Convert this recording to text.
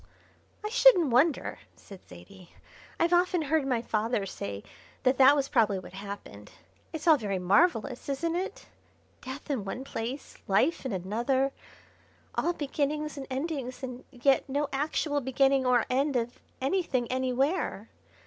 "I shouldn't wonder," said Zaidie; "I've often heard my father say that that was probably what happened. It's all very marvellous, isn't it? death in one place, life in another, all beginnings and endings, and yet no actual beginning or end of anything anywhere.